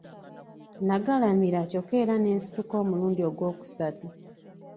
Nagalamira kyokka era ne nsituka omulundi ogw'okusatu.